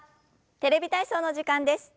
「テレビ体操」の時間です。